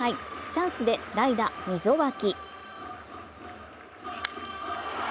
チャンスで代打・溝脇。